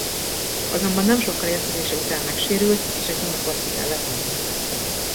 Azonban nem sokkal érkezése után megsérült és egy hónapot ki kellett hagynia.